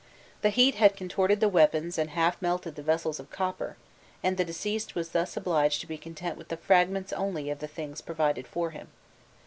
The heat had contorted the weapons and half melted the vessels of copper; and the deceased was thus obliged to be content with the fragments only of the things provided for him.